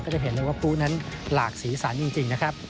ก็จะเห็นว่าพลุนั้นหลากศีรษรจริงนะครับ